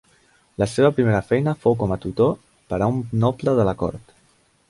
La seva primera feina fou com a tutor per a un noble de la cort.